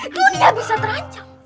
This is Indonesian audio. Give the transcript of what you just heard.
dunia bisa terancam